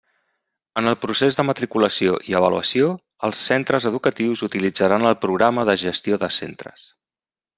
En el procés de matriculació i avaluació els centres educatius utilitzaran el Programa de Gestió de Centres.